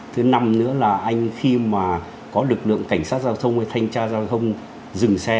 thứ năm nữa là anh khi mà có lực lượng cảnh sát giao thông hay thanh tra giao thông dừng xe